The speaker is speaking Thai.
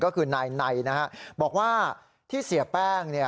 ก็คือนายนะฮะบอกว่าที่เสียแป้ง